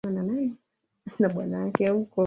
ndogo tu ya Shii ya Guiana Kwa hivyo kuna